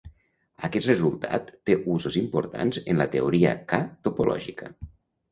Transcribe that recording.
Aquest resultat té usos importants en la teoria K topològica.